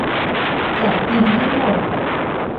จับกินให้หมด